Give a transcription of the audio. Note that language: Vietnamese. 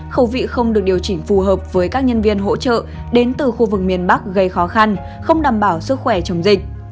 khẩu vị không được điều chỉnh phù hợp với các nhân viên hỗ trợ đến từ khu vực miền bắc gây khó khăn không đảm bảo sức khỏe chống dịch